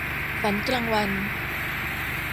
ฝันกลางวัน